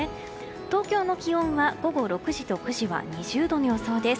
東京の気温は午後６時と９時は２０度の予想です。